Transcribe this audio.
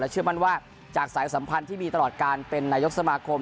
เชื่อมั่นว่าจากสายสัมพันธ์ที่มีตลอดการเป็นนายกสมาคม